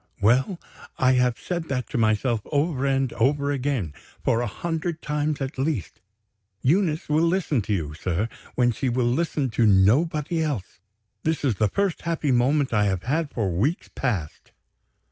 Well! I have said that to myself over and over again, for a hundred times at least. Eunice will listen to you, sir, when she will listen to nobody else. This is the first happy moment I have had for weeks past."